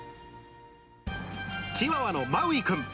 チワワのマウイくん。